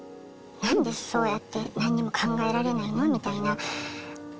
「何でそうやって何にも考えられないの？」